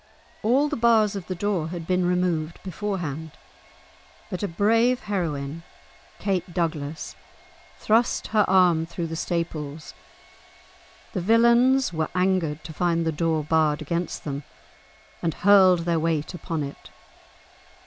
All the bars of the door had been removed beforehand, but a brave heroine, Kate Douglas, thrust her arm through the staples. The villains were angered to find the door barred against them, and hurled their weight upon it.